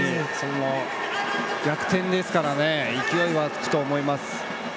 逆転ですから勢いもつくと思います。